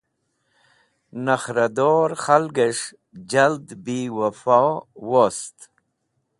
Nakhrador khalgẽs̃h jald biwẽfo wost.